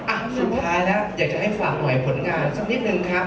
อ่าสุดท้ายนะอยากจะให้ฟังหน่อยผลงานสักนิดนึงครับ